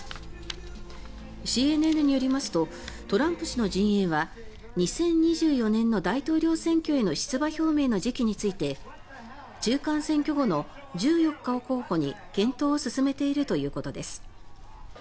ＣＮＮによりますとトランプ氏の陣営は２０２４年の大統領選挙への出馬表明の時期について中間選挙後の１４日を候補に検討を進めているということです。